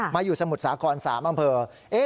มาอยู่สมุดสาขนอำเภอที่๓